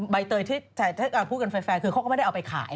ใบเตยที่พูดกันแฟร์คือเขาก็ไม่ได้เอาไปขาย